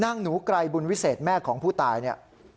หนูไกรบุญวิเศษแม่ของผู้ตายเนี่ย